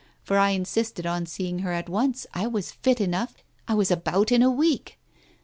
For I insisted on seeing her at once, I was fit enough, I was about in a week. .